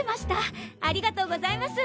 ありがとうございます。